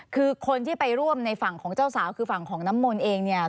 คือคนที่ไปร่วมในฝั่งของเจ้าสาวคือฝั่งของน้ำมนต์เองเนี่ย